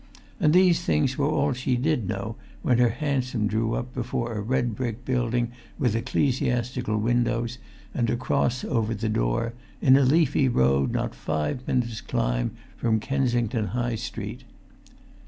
And these things were all she did know when her hansom drew up before a red brick building with ecclesiastical windows, and a cross over the door, in a leafy road not five minutes' climb from Kensington High Street.